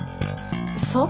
そう？